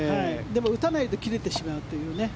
でも打たないと切れてしまうという。